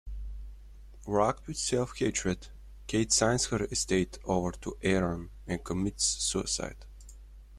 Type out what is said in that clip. Wracked with self-hatred, Kate signs her estate over to Aron and commits suicide.